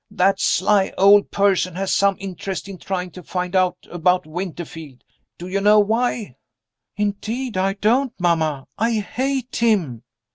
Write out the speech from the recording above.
That sly old person has some interest in trying to find out about Winterfield. Do you know why?" "Indeed I don't, mamma. I hate him!"